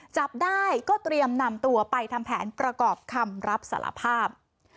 จับได้ก็เตรียมนำตัวไปทำแผนประกอบคำรับสารภาพ